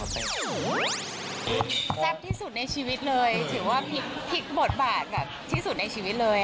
แซ่บที่สุดในชีวิตเลยถือว่าพลิกบทบาทแบบที่สุดในชีวิตเลย